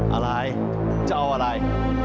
อะไรจะเอาอะไร